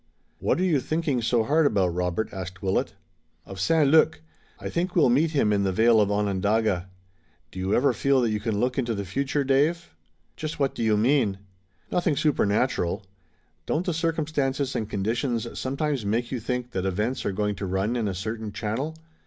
"What are you thinking so hard about, Robert?" asked Willet. "Of St. Luc. I think we'll meet him in the vale of Onondaga. Do you ever feel that you can look into the future, Dave?" "Just what do you mean?" "Nothing supernatural. Don't the circumstances and conditions sometimes make you think that events are going to run in a certain channel?